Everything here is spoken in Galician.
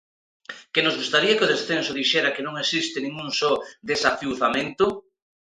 ¿Que nos gustaría que o descenso dixera que non existe nin un só desafiuzamento?